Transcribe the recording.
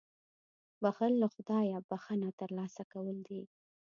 • بښل له خدایه بښنه ترلاسه کول دي.